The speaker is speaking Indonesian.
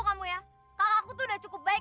kalau aku sudah cukup baik